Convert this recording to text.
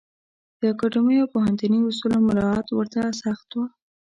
د اکاډمیو او پوهنتوني اصولو مرعات ورته سخت و.